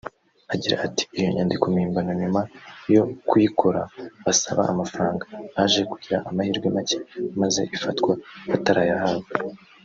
Agira ati "Iyo nyandiko mpimbano nyuma yo kuyikora basaba amafaranga baje kugira amahirwe make maze ifatwa batarayahabwa